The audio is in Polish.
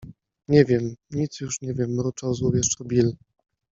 - Nie wiem. Nic już nie wiem - mruczał złowieszczo Bill.